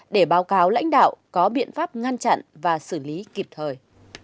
để báo cáo lãnh đạo có biện pháp ngăn chặn và xử lý kịp thời